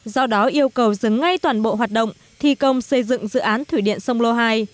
do đó yêu cầu dừng ngay toàn bộ hoạt động thi công xây dựng dự án thủy điện sông lô hai